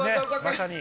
まさに。